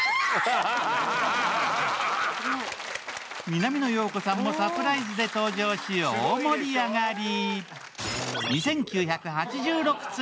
南野陽子さんもサプライズで登場し、大盛り上がり。